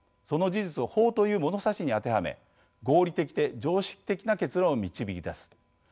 その事実を「法」という物差しに当てはめ合理的で常識的な結論を導き出す。